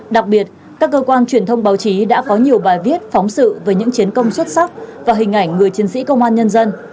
đặc biệt các cơ quan truyền thông báo chí đã có nhiều bài viết phóng sự về những chiến công xuất sắc và hình ảnh người chiến sĩ công an nhân dân